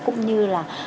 cũng như là